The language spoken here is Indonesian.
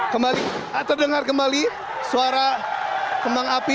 kembali terdengar kembali suara kembang api